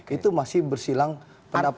itu masih bersilang pendapat